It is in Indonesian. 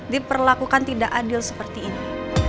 diperlakukan tidak adil seperti ini